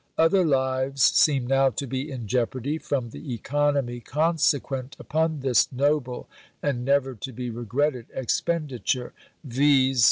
Other lives seem now to be in jeopardy from the economy consequent upon this noble and never to be regretted expenditure, viz.